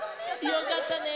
よかったね。